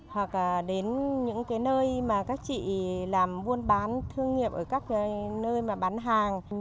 hoặc đến những nơi mà các chị làm buôn bán thương nghiệp ở các nơi bán hàng